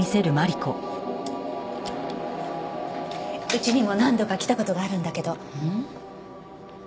うちにも何度か来た事があるんだけど。